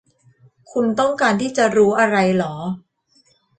คุณต้องการที่จะรู้อะไรหรอ